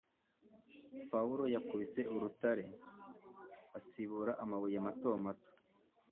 Pawulo yakubise urutare, asibura amabuye mato mato